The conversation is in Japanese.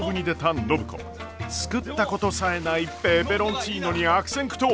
作ったことさえないペペロンチーノに悪戦苦闘！